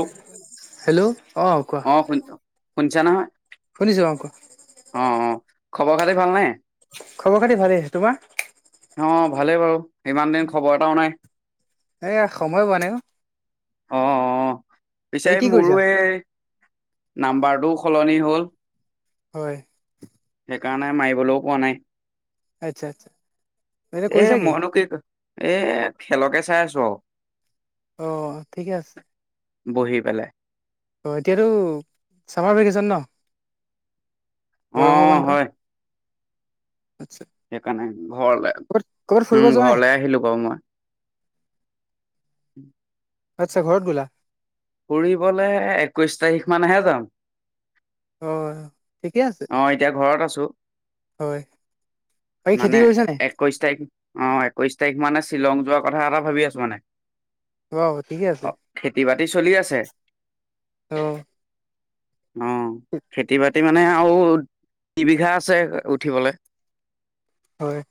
অ hello অ' ক শুনিছা নহয়? শুনিছোঁ অ' কোৱা? অ', অ' খবৰ খাতি ভালনে? খবৰ খাতি ভালেই। তোমাৰ? অ' ভালেই বাৰু, ইমান দিন খবৰ এটাও নাই। এইয়া সময় পোৱা নাই অ'। অ' পিছে এই কি মোৰো কৰিছা এই নাম্বাৰটোও সলনি হ'ল। হয়। সেইকাৰণে মাৰিবলৈও পোৱা নাই। আচ্ছা আচ্চা। এ, মইনো কি এ, খেলকে চাই আছোঁ আৰু। অ' ঠিকে আছে। বহি পেলাই। অ' এতিয়াতো ছামাৰ ভেকেশ্যন ন'? অ গৰমৰ বন্ধ। হয় আচ্ছা সেইকাৰণে ঘৰলে ক'বাত ক'বাত ফুৰিব উম, যোৱা নাই ঘৰলে আহিলোঁ বাৰু মই। উম। আচ্ছা, ঘৰত গ'লা? ফুৰিবলে একৈছ তাৰিখ মানহে যাম। অ' ঠিকে আছে। অ' এতিয়া ঘৰত আছোঁ, হয় বাকী খেতি মানে কৰিছা এক নাই একৈছ তাৰিখ অ' একৈছ তাৰিখ মানে শ্বিলং যোৱাৰ কথা এটা ভাবি আছোঁ মানে। বাও ঠিকে আছে অ' খেতি বাতি চলি আছে। অ অ' খেতি বাতি মানে আৰু দু বিঘা আছে উঠিবলৈ। হয়।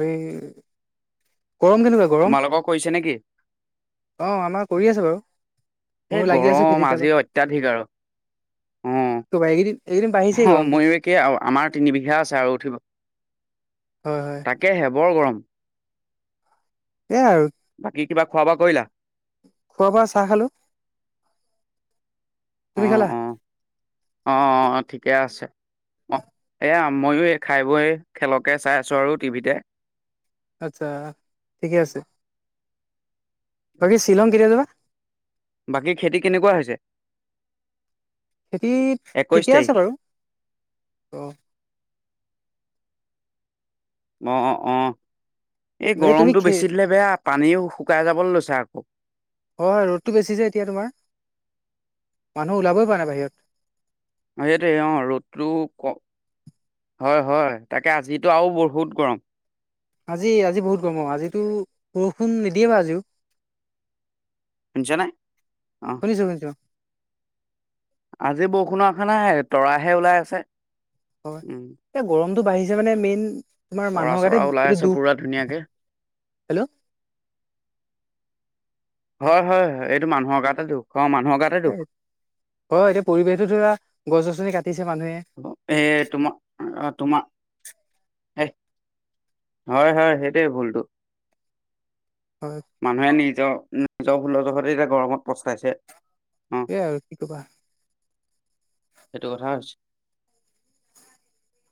এই গৰম কেনেকুৱা? গৰম তোমালোকৰ কৰিছে নেকি? অ', আমাৰ কৰি আছে বাৰু। এই ময়ো লাগি আছো গৰম খেতিত অলপ আজি অত্যাধিক আৰু। অ', এইকেইদিন এইকেইদিন বাঢ়িছেই অ, গৰমটো ময়ো একে আমাৰ তিনিবিঘা আছে আৰু উঠিব। [inaudible] হয়, হয়, তাকে হে বৰ গৰম। সেয়াই আৰু বাকি কিবা খোৱা বোৱা কৰিলা? খোৱা বোৱা চাহ খালোঁ। তুমি অ', খালা? অ', অ', অ', ঠিকে আছে। অ', এয়া ময়ো এই খাই বৈ খেলকে চাই আছো আৰু টিভিতে। আচ্ছা ঠিকে আছে। বাকী শিলং কেতিয়া যাবা? বাকী খেতি কেনেকুৱা হৈছে? খেতি একৈশ ঠিকে তাৰিখ আছে বাৰু অ', অ', অ', অ', এই বাকী তুমি গৰমটো খে বেছি দিলে বেয়া পানীও শুকাই যাবলৈ লৈছে আকৌ। হয় ৰ'দটো বেছি যে এতিয়া তোমাৰ, মানুহ ওলাবই পৰা নাই বাহিৰত। সেইটোৱে অ', ৰ'দটো ক হয়, হয় তাকে আজিতো আৰু বহুত গৰম। আজি আজি বহুত গৰম অ', আজিতো বৰষুণ নিদিয়ে বাৰু আজিও। শুনিছা নে, অ', শুনিছো শুনিছো। আজি বৰষুণৰ আখা নাই তৰাহে ওলাই আছে। হয়, উম এই গৰমটো বাঢ়িছে মানে মেইন তোমাৰ তৰা মানুহৰ চৰা গাতে ওলাই এইটো আছে দুখ। পুৰা ধুনীয়াকে হেল্ল' হয়, হয়, হয়, এইটো মানুহৰ গাতে দুখ অ' মানুহৰ গাত হয়, এতিয়া পৰিৱেশটো ধৰা, গছ গছনি কাটিছে মানুহে। এ তোমাৰ তোমাৰ এ হয়, হয়, সেইটোৱে ভুলতো। হয়, মানুহে নিজৰ নিজৰ ভুলৰ জহতে এতিয়া গৰমত পস্তাইছে। এয়াই আৰু কি কবা। সেইটো কথা হৈছে।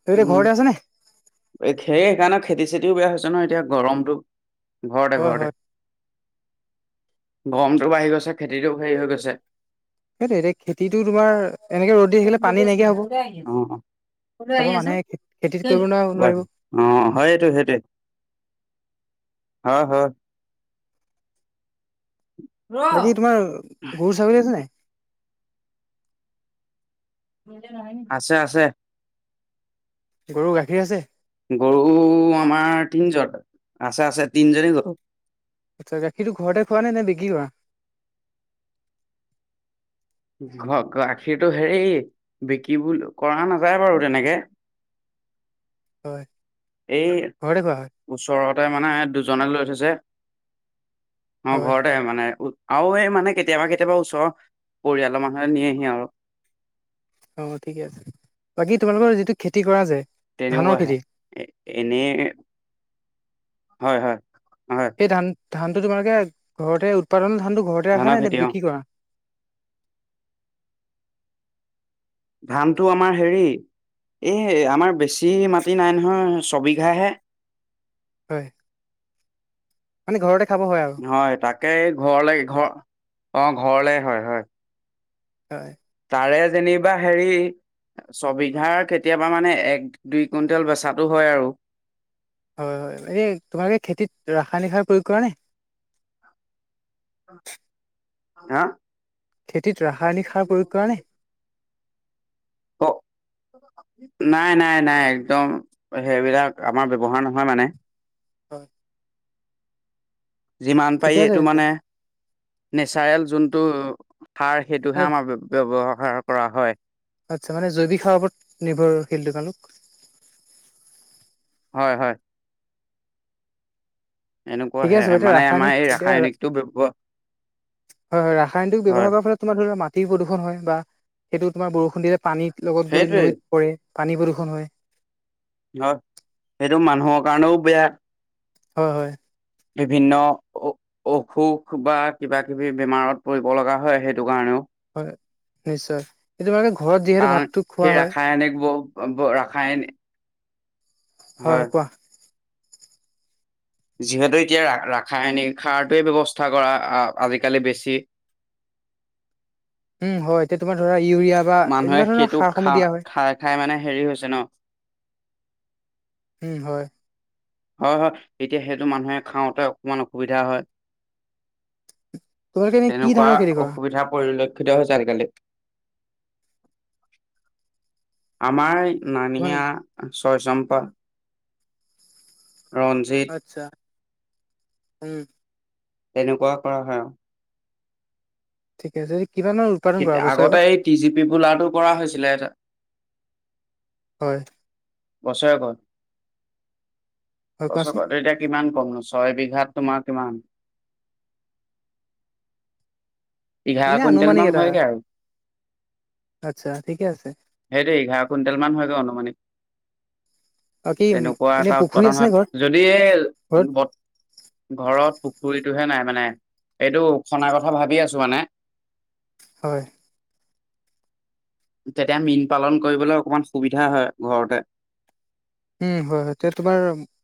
তুমি এতিয়া উম, ঘৰতে আছে নে সে সেইকাৰণে খেতি চেতিও বেয়া হৈছে ন' এতিয়া গৰমটো ঘৰতে হয় ঘৰতে। হয় গৰমটো বাঢ়ি গৈছে খেতিটো হেৰি হৈ গৈছে। সেইটোৱে এতিয়া খেতিটো তোমাৰ এনেকে ৰ'দ দি থাকিলে পানী নাইকিয়া হ'ব, অ অ তাৰপৰা মানুহে খেতি কৰিব নোৱাৰ হয়। নোৱাৰিব। অ', হয়টো সেইটোৱে হয়, হয়। বাকী তোমাৰ গৰু ছাগলী আছে নাই? আছে, আছে। গৰু গাখীৰ আছে? গৰু আমাৰ তিনজন আছে আছে তিনজনি গৰু। আচ্ছা গাখীৰটো ঘৰতে খোৱা নে বিক্ৰী কৰা? ঘৰ, গাখীৰটো হেৰি বিক্ৰী কৰা নাযায় বাৰু তেনেকে। হয়। এই ঘৰতে খোৱা হয়, ওচৰতে মানে দুজনে লৈ থৈছে। অ', হয় ঘৰতে মানে উ আৰু এই মানে কেতিয়াবা কেতিয়াবা ওচৰৰ পৰিয়ালৰ মানুহে নিয়েহি আৰু। অ', ঠিকে আছে বাকী তোমালোকৰ যিটো খেতি কৰা যে। তেনেকুৱা ধানৰ আহে খেতি এ এনেই হয়, হয়, হয়। এই ধান ধানটো তোমালোকে ঘৰতে উৎপাদনৰ ধানতটো ঘৰতে ধানৰ ৰাখা নে খেতি নে অ' বিক্ৰী কৰা। ধানতটো আমাৰ হেৰি এই আমাৰ বেছি মাটি নাই নহয় ছবিঘাহে। হয়। মানে ঘৰতে খাব হয় আৰু। হয়, তাকেই ঘৰলৈ ঘৰ অ ঘৰলে হয় হয়। হয়। তাৰে যেনিবা হেৰি। ছবিঘাৰ কেতিয়াবা মানে এক দুই কুইণ্টেল বেচাটো হয় আৰু। হয়, হয়, এইনে তোমালোকে খেতিত ৰাসায়নিক সাৰ প্ৰয়োগ কৰা নে? হা? খেতিত ৰাসায়নিক সাৰ প্ৰয়োগ কৰা ন? অ। নাই নাই নাই একদম সেইবিলাক আমাৰ ব্যৱহাৰ নহয় মানে। হয়। যিমান পাৰি ঠিকে আছে এইটো তেতিয়া মানে নেচাৰেল যোনটো সাৰ সেইটোহে আমাৰ। ব্যৱহাৰ কৰা হয়। আচ্ছা, মানে জৈৱিক সাৰ ওপৰত নিৰ্ভৰশীলো তোমালোক। হয় হয়। এনেকুৱা ঠিকে হে আছে বাৰু মানে আমাৰ এই ৰাসায়নিক এতিয়া হয় ৰাসায়নিকটো ব্যৱ হয় ৰাসায়নিক হয় ব্যৱহাৰৰ ফলত। তোমাৰ ধৰি মাটিৰ প্ৰদূষণ হয় বা সেইটো তোমাৰ বৰষুণ দিলে পানীত লগত গৈ সেইটোৱে নৈত। কৰে পানী প্ৰদূষণ হয়। হয়, সেইটো মানুহৰ কাৰণেও বেয়া। হয়, হয়। বিভিন্ন উ অসুখ, বা কিবা কিবি বেমাৰত পৰিব লগা হয় সেইটো কাৰণেও। হয় নিশ্চয় এই তোমালোকে ঘৰত যিহেতু কাৰণ, ভাতটো খোৱা সেই হয় ৰাসায়নিক বোৰ। ৰাসায়ন। হয় কোৱা? যিহেতু, এতিয়া ৰা ৰাসায়নিক সাৰটোৱে ব্যৱস্থা কৰা আজিকালি বেছি। উম, হয়, এতিয়া তোমাৰ ধৰা ইউৰিয়া বা মানুহে এনেকুৱা ধৰণৰ সেইটো খা সাৰসমূহ দিয়া হয়। খাই খাই মানে হেৰি হৈছে ন। উম হয়। হয়, হয়, এতিয়া সেইটো মানুহে খাওঁতে অকমান অসুবিধা হয়। তোমালোকে এনে কি তেনেকুৱা ধানৰ খেতি কৰা অসুবিধা পৰিলক্ষ। খতিজিকালি। আমাৰ তোমাৰ নানিয়া চয়চম্পা। ৰঞ্জিত। আচছা উম। তেনেকুৱা কৰা হয় আৰু। ঠিক আছে কিমানৰ? আগতে এই টি জি পি বোলাটো কৰা হৈছিলে এটা। হয়। বছৰেক হয় কোৱাচোন বছৰেত এতিয়া কিমান কম নছে। ছয় বিঘাত তোমাৰ কিমান। এঘাৰ এনে কুইণ্টেল আনুমানিক মান এটা হয়গৈ আৰু। আচ্ছা ঠিকে আছে সেইটো, এঘাৰ কুইণ্টেল মান হয়গৈ অনুমানিত। বাকী তেনেকুৱা এনে এটা পুখুৰী উৎপাদন আছে নে ঘৰত হয় যদি। ঘৰত পুখুৰীটোহে নাই মানে, এইটো খনা কথা ভাবি আছো মানে। হয়। তেতিয়া মীন পালন কৰিবলৈ অকমান সুবিধা হয় ঘৰতে। উম, হয় হয়, তেতিয়া তোমাৰ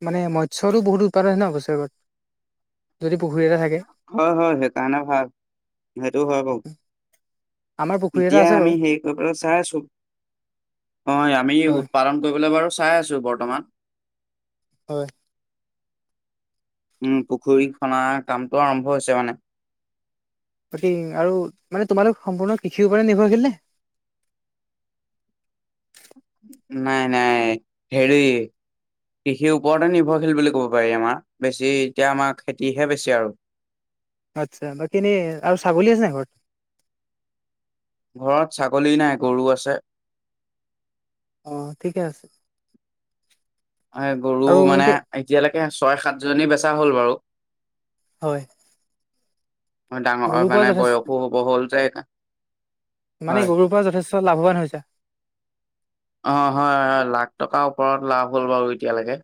মানে মৎস্যৰো বহুত উৎপাদন ন' বছৰত। যদি পুখুৰী এটাত হয় হয়, সেইকাৰণে ভাল, সেইটো হয় বাৰু। আমাৰ পুখুৰী এটা এতিয়া আছে আমি বাৰু হেৰি কৰিবলৈ চাই আছো, অ', আমি হয় উৎপাদন কৰিবলৈ বাৰু চাই আছো বৰ্তমান। হয়। উম, পুখুৰী খনাৰ কামটো আৰম্ভ হৈছে মানে। বাকি, আৰু মানে, তোমালোক সম্পূৰ্ণ কৃষিৰ ওপৰতেই নিৰ্ভৰশীল নে? নাই নাই, হেৰি কৃষিৰ ওপৰতে নিৰ্ভৰশীল বুলি ক'ব পাৰি আমাৰ, বেছি এতিয়া আমাৰ খেতিহে বেছি আৰু। আচ্ছা, বাকী এনেই আৰু ছাগলী আছে নে ঘৰত? ঘৰত ছাগলী নাই, গৰু আছে। অ', ঠিকেই আছে। এ গৰু আৰু মানে, এনেকে এতিয়ালৈকে ছয় সাতজনী বেচা হ'ল বাৰু। হয়। ডাঙৰ গৰুৰ পৰা মানে, যথেষ্ট বয়সো হ'ব হ'ল যে সেইকাৰণে। মানে গৰুৰ পৰা যথেষ্ট লাভৱান হৈছে। অ', হয় হয়, লাখ টকাৰ ওপৰত লাভ হ'ল বাৰু এতিয়ালৈকে।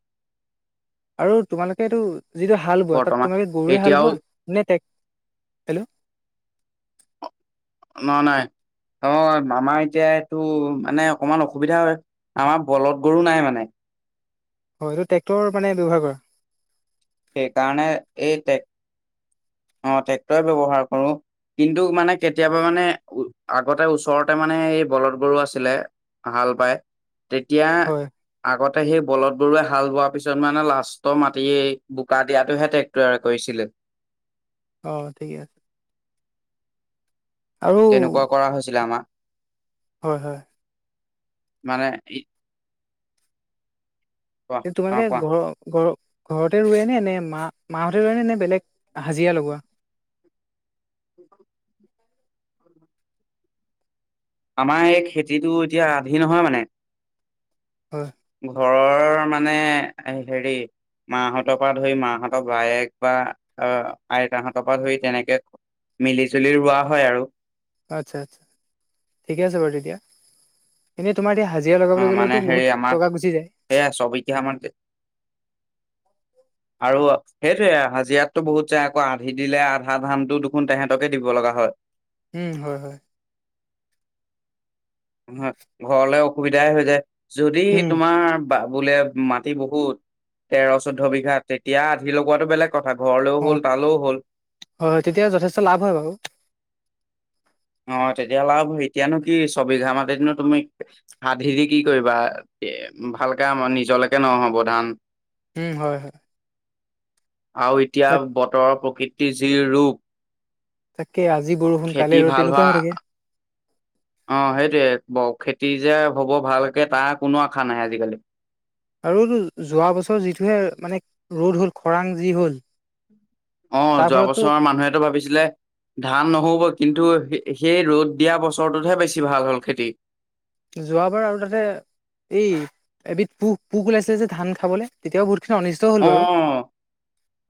আৰু তোমালোকে এইটো যিটো হাল বোৱা তাত বৰ্তমান তোমালোকে গৰুৱে হাল এতিয়াও বোৱা, নে টেক নাই নাই, অ', আমাৰ এতিয়া এইটো মানে অকমান অসুবিধা আমাৰ বলধ গৰু নাই মানে। হয়, এইটো ট্ৰেকটৰ মানে ব্যৱহাৰ কৰে। সেইকাৰণে এই টে অ', ট্ৰেক্টৰ এ ব্যৱহাৰ কৰো। কিন্তু, মানে কেতিয়াবা মানে, আগতে ওচৰতে মানে এই বলৎ গৰু আছিলে। হাল বায়, তেতিয়া হয় আগতে সেই বলধ গৰুৰে হাল বোৱাৰ পিছত মানে লাষ্টৰ মাটিয়েই বোকা দিয়াটোহে টেক তৈয়াৰ কৰিছিলে। অ', ঠিকে আছে। আৰু তেনেকুৱা কৰা হৈছিলে আমাৰ। হয় হয়। মানে এই কোৱা অ তোমালোকে কোৱা ঘৰৰ ঘৰ ঘৰতে ৰোৱে নে, নে মা মাহঁতে ৰোৱে, নে নে বেলেগ হাজিৰা লগোৱা। অ' আমাৰ এই খেতিটো এতিয়া আধি নহয় মানে হয়। ঘৰৰ মানে, হেৰি মাহঁতৰ পৰা ধৰি মাহঁতৰ বায়েক, বা আইতাহঁতৰ পৰা ধৰি তেনেকে মিলি-জুলি ৰোৱা হয় আৰু। আচ্ছা আচ্ছা, ঠিকে আছে বাৰু তেতিয়া। এনেই তোমাৰ এতিয়া হাজিৰা অ লগাবলৈ মানে গ'লেওটো হেৰি বহুত আমাৰ টকা গুচি যায়। সেয়া ছয় বিঘা মাটি আৰু, সেইটোৱে হাজিৰাতটো বহুত যায়, আকৌ আধি দিলে আধা ধানতো দেখোন তেহেতকে দিব লগা হয়। উম হয় হয়। হয়, ঘৰলে অসুবিধাই হৈ যায়। যদি উম তোমাৰ বা বোলে মাটি বহুত, তেৰ চৈধ্য বিঘা তেতিয়া আধি লগোৱাাতটো বেলেগ। কথা ঘৰলেও অ হ'ল, তালেও হ'ল। হয় হয়, তেতিয়া যথেষ্ট লাভ হয় বাৰু। অ' তেতিয়াহ'লে আৰু এতিয়ানো কি ছবিঘা মতি দিনো তুমি আধি দি কি কৰিবা? এ, ভালকে আমাৰ নিজলৈকে নহ'ব ধান। উম, হয় হয়। আৰু এতিয়া বাক বতৰৰ প্ৰকৃতিৰ যি ৰূপ। তাকে আজি বৰষুণ খেতি কালি ৰ'দ ভাল তেনেকুৱা হোৱা হৈ থাকে। অ' সেইটোয়ে, খেতি যে হ'ব ভালকে তাৰ কোনো আশা নাই আজিকালি। আৰুটো যোৱা বছৰ যিটোহে মানে ৰ'দ হ'ল খৰাং যি হ'ল অ' তাৰ যোৱা ফলতো বছৰৰ মানুহেতো ভাবিছিলে ধান নহ'ব কিন্তু সেই ৰ'দ দিয়া বছৰটোতহে বেছি ভাল হ'ল খেতি। যোৱাবাৰ আৰু তাতে এই এবিধ পোক, পোক ওলাইছে যে ধান খাবলে। তেতিয়া বহুতখিনি অনুষ্ঠিত হ'ল অ বাৰু।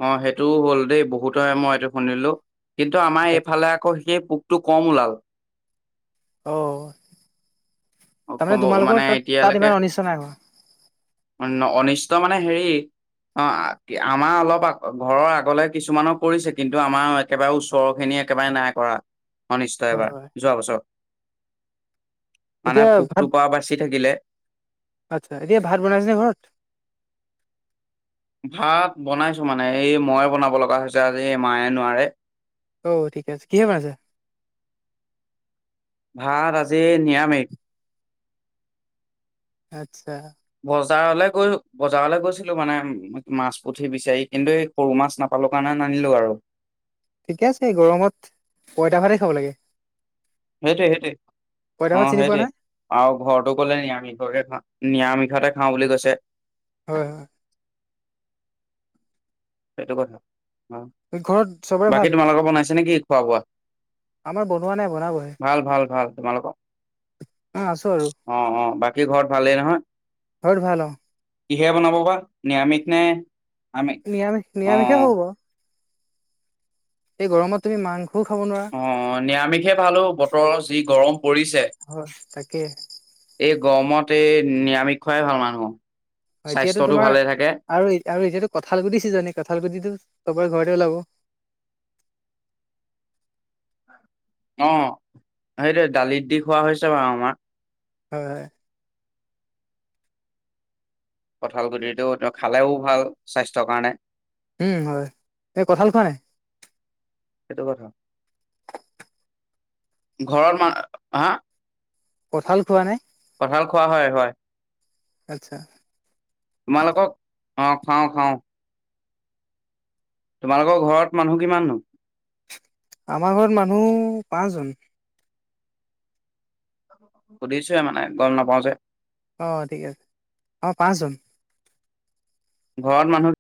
অ' সেইটোও হ'ল দেই বহুতহ মই এইটো শুনিলোঁ কিন্তু আমাৰ হয়। এইফালে আকৌ সেই টো কম ওলাল। অ' অ তাৰমানে কম মানে তোমালোকৰ তাত তাত এতিয়ালৈকে ইমান অনিষ্ট নাই হোৱা? অনিষ্ট মানে হেৰি অ' আমাৰ অলপ ঘৰৰ আগলে কিছুমানৰ কৰিছে কিন্তু আমাৰ একেবাৰে ওচৰখিনি একেবাৰে নাই কৰা অনিষ্ট, হয় এবাৰ হয় যোৱা বছৰ। মানে এতিয়া ভাত পোকটোৰপৰা বাচি থাকিলে। আচ্ছা। এতিয়া ভাত বনাইছেনে ঘৰত? ভাত বনাইছোঁ মানে, এই মই বনাব লগা হৈছে আজি মায়ে নোৱাৰে। অ' ঠিক আছে। কিহে বনাইছ? ভাত আজি নিৰামিষ। আচ্ছা। বজাৰলে গৈ বজাৰলে গৈছিলোঁ মানে মাছ পুঠি বিচাৰি কিন্তু এই সৰু মাছ নাপালোঁ কাৰণে নানিলোঁ আৰু। ঠিকে আছে গৰমত পইতা ভাতে খাব লাগে। সেইটোৱে সেইটোৱে। পইতা ভাত অ' চিনি পোৱা সেইটোৱে। নাই আৰু ঘৰতো ক'লে নিৰামিষকে খা, নিৰামিষতে খাওঁ বুলি কৈছে। হয় হয়। সেইটো কথা অ'। ঘৰত চবৰে বাকী ভাল তোমালোকৰ বনাইছে নেকি খোৱা বোৱা? আমাৰ বনোৱা নাই বনাবহে ভাল ভাল ভাল। তোমালোকৰ? অ আছো আৰু অ', অ' বাকী ঘৰত ভালেই নহয়? ঘৰত ভাল অ কিহেৰে বনাব ভাত নিৰামিষ নে আমিষ? নিৰামিষ, নিৰামিষে হ'ব। এই গৰমত তুমি মাংসও খাব নোৱাৰা। অ' নিৰামিষহে ভাল অ' বতৰৰ যি গৰম পৰিছে। হয়, তাকেই। এই গৰমত এই নিৰামিষ খোৱাই ভাল মানুহ। হয়, এতিয়াতো তোমাৰ আৰু আৰু এতিয়াতো কঁঠাল কুটি ছিজন, কঁঠাল গুটিটো চবৰে ঘৰতে ওলাব। অ' সেইটোৱে, দালিত দি খোৱা হৈছে বাৰু আমাৰ। হয় হয়। কঁঠাল গুটিটোতো খালেও ভাল স্বাস্থ্যৰ কাৰণে। উম, হয়। তই কঁঠাল খোৱা নাই? সেইটো কথা। ঘৰত মা, হা? কঁঠাল খোৱানে? কঠাল খোৱা হয় হয়। আচ্ছা। তোমালোকক অ খাওঁ খাওঁ। তোমালোকৰ ঘৰত মানুহ কিমাননো? আমাৰ ঘৰত মানুহ পাঁচ জন। সুধিছোৱে মানে গ' নাপাওঁ যে। অ', ঠিকে আছে অ, পাঁচজন। ঘৰত মানুহ